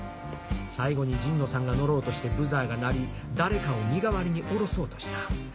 最後に陣野さんが乗ろうとしてブザーが鳴り誰かを身代わりに降ろそうとした。